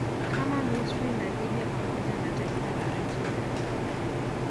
kama Misri na Libya pamoja na taifa la Algeria